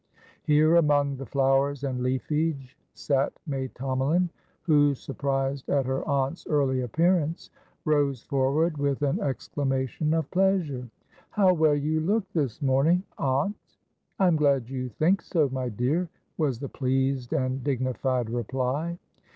Here, among the flowers and leafage, sat May Tomalin, who, surprised at her aunt's early appearance, rose forward with an exclamation of pleasure. "How well you look this morning, aunt!" "I'm glad you think so, my dear," was the pleased and dignified reply.